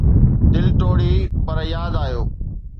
دل ٽوڙي، پر ياد آيو